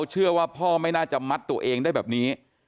เชื่อว่าพ่อไม่น่าจะมัดตัวเองได้แบบนี้